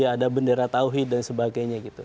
ada bendera tauhid dan sebagainya gitu